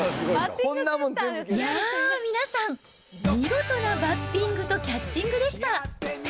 いやー、皆さん、見事なバッティングとキャッチングでした。